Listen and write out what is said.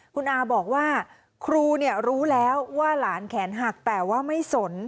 คุณอาบอกว่าครูรู้แล้วว่าหลานแขนหักแต่ว่าไม่สน